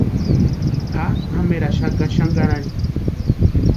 Jakʼi pʼameraaxaka xani karani.